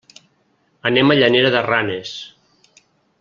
Anem a Llanera de Ranes.